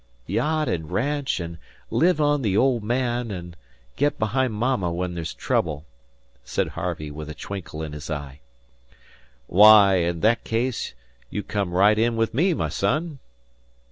"Yacht and ranch and live on 'the old man,' and get behind Mama where there's trouble," said Harvey, with a twinkle in his eye. "Why, in that case, you come right in with me, my son."